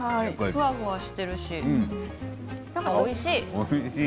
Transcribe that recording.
ふわふわしているおいしい。